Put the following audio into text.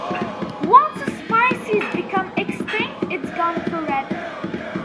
Once a species becomes extinct, it is gone forever.